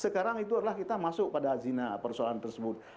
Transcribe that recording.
sekarang itu adalah kita masuk pada zina persoalan tersebut